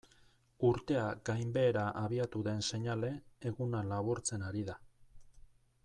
Urtea gainbehera abiatu den seinale, eguna laburtzen ari da.